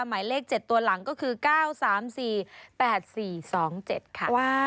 หมายเลข๗ตัวหลังก็คือ๙๓๔๘๔๒๗ค่ะ